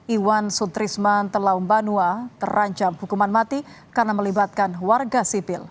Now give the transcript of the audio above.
iwan sutrisman telambanua terancam hukuman mati karena melibatkan warga sipil